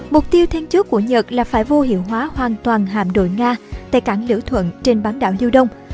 mục tiêu thêm chốt của nhật là phải vô hiệu hóa hoàn toàn hạm đội nga tại cảng lửa thuận trên bán đảo diêu đông